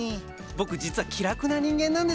僕実は気楽な人間なんですよ。